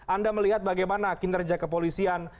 anda melihat bagaimana kinerja kepolisian